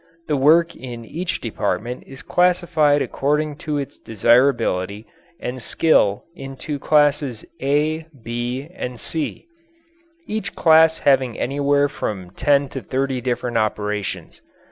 The work in each department is classified according to its desirability and skill into Classes "A," "B," and "C," each class having anywhere from ten to thirty different operations.